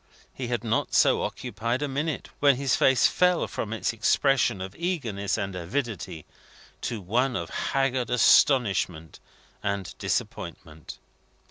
He had not so occupied a minute, when his face fell from its expression of eagerness and avidity, to one of haggard astonishment and disappointment.